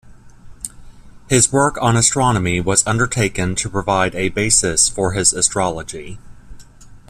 His work on astronomy was undertaken to provide a basis for his astrology.